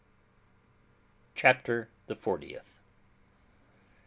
CHAPTER THE FORTIETH.